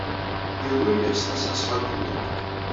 Yiwen ur yeɣs tasnasɣalt-nni.